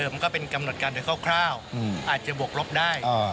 มันก็เป็นกำหนดการโดยคร่าวอาจจะบวกลบได้